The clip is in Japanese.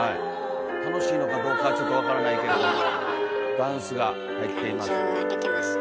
楽しいのかどうかちょっと分からないけれどダンスが入っています。